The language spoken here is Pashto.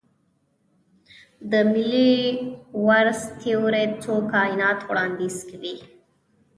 د ملټي ورس تیوري څو کائنات وړاندیز کوي.